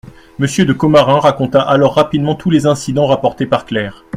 Monsieur de Commarin raconta alors rapidement tous les incidents rapportés par Claire.